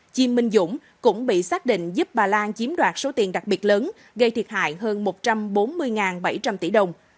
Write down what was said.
chi minh dũng cũng bị xác định giúp bà lan chiếm đoạt số tiền đặc biệt lớn gây thiệt hại hơn một trăm bốn mươi bảy trăm linh tỷ đồng